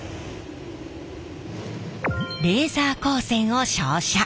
レーザー光線を照射。